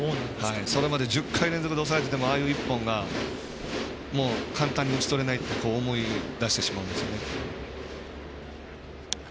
それまで１０回連続で抑えていても、あの１本がもう、簡単に打ち取れないって思い出してしまうんですよね。